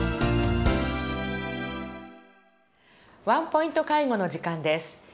「ワンポイント介護」の時間です。